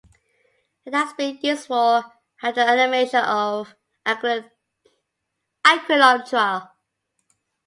It has been used for hydroamination of acrylonitrile.